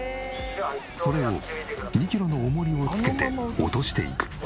それを２キロの重りをつけて落としていく。